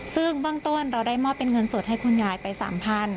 ซึ่งเบื้องต้นเราได้มอบเป็นเงินสดให้คุณยายไป๓๐๐บาท